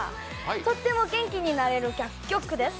とっても元気になれる楽曲です。